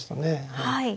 はい。